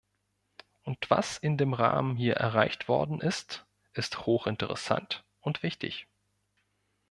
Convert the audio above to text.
Und was in dem Rahmen hier erreicht worden ist, ist hochinteressant und wichtig.